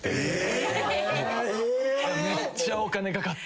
めっちゃお金かかって。